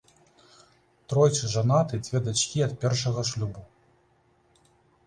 Тройчы жанаты, дзве дачкі ад першага шлюбу.